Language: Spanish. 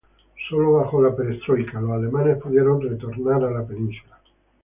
Sólo bajo la Perestroika, los alemanes pudieron retornar a la península.